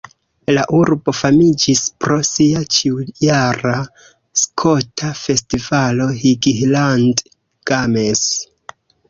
La urbo famiĝis pro sia ĉiujara skota festivalo Highland Games.